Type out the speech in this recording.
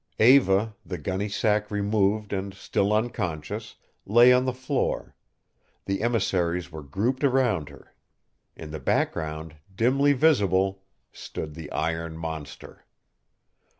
Eva, the gunny sack removed and still unconscious, lay on the floor. The emissaries were grouped around her. In the background, dimly visible, stood the iron monster.